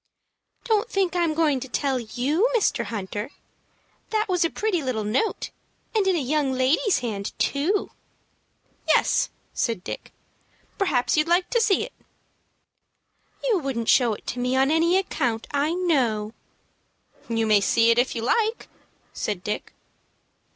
"Don't think I'm going to tell you, Mr. Hunter. That was a pretty little note, and in a young lady's hand too." "Yes," said Dick. "Perhaps you'd like to see it." "You wouldn't show it to me on any account, I know." "You may see it if you like," said Dick.